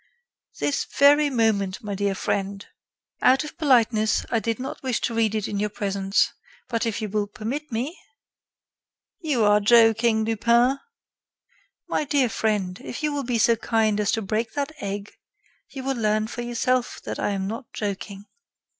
"This very moment, my dear friend. Out of politeness, I did not wish to read it in your presence. But if you will permit me " "You are joking, Lupin." "My dear friend, if you will be so kind as to break that egg, you will learn for yourself that I am not joking."